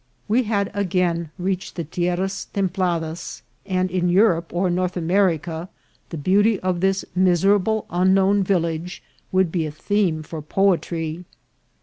We had again reached the tierras templadas, and in Europe or North America the beauty of this miserable unknown village would be a theme for poetry.